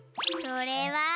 それは。